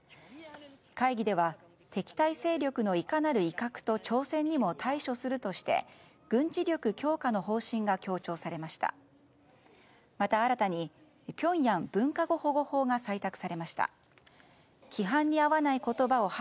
会議では敵対勢力のいかなる威嚇と挑戦にも対処するとして軍事力強化の方針がブンブンハロースマホデビュー！